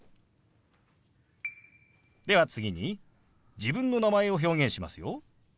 では次に自分の名前を表現しますよ。